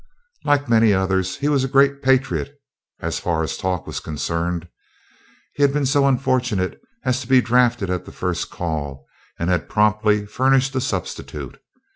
Like many others, he was a great patriot as far as talk was concerned. He had been so unfortunate as to be drafted at the first call, and had promptly furnished a substitute.